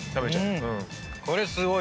これすごいわ。